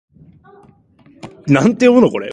北海道西興部村